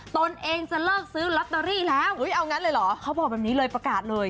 ตนเองจะเลิกซื้อลอตเตอรี่แล้วเอางั้นเลยเหรอเขาบอกแบบนี้เลยประกาศเลย